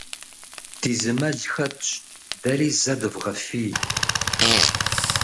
Ди зы мэл хэтщ, дэри зэ дывгъэфий.